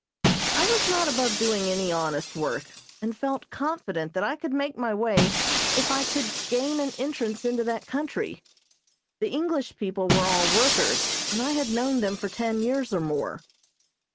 I was not above doing any honest work, and felt confident that I could make my way if I could gain an entrance into that country. The English people were all workers, and I had known them for ten years or more.